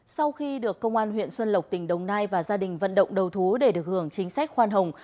sau khi được công an huyện xuân lộc tỉnh đồng nai và gia đình vận động đầu thú để được hưởng chính sách khoan hồng